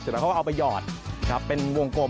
เสร็จแล้วเขาเอาไปหยอดครับเป็นวงกลม